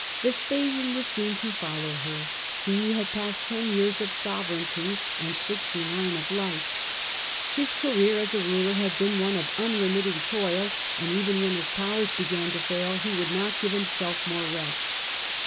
Vespasian was soon to follow her. He had passed ten years of sovereignty and sixty nine of life. His career as Vespasian a ruler had been one of unremitting toil, and and d1e/fn^ even when his powers began to fail he would harness. not give himself more rest.